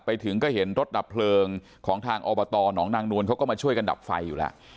ไปถึงก็เห็นรถดับเพลิงของทางอบตหนองนางนวลเขาก็มาช่วยกันดับไฟอยู่แล้ว